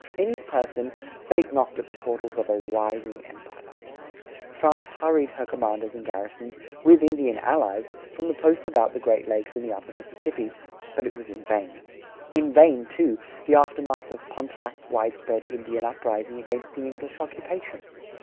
In his person fate knocked at the portals of a "rising empire." France hurried her commanders and garrisons, with Indian allies, from the posts about the Great Lakes and the upper Mississippi; but it was in vain. In vain, too, the aftermath of Pontiac's widespread Indian uprising against the English occupation.